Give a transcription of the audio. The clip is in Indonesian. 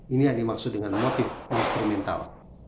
ini yang dimaksud dengan motif instrumental